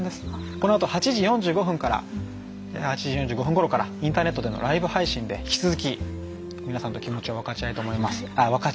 このあと８時４５分ごろからインターネットでのライブ配信で引き続き皆さんと気持ちを分かち合いたいと思います。